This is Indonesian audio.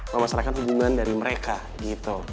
memasarkan hubungan dari mereka gitu